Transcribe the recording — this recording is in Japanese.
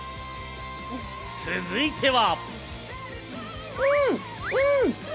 続いては。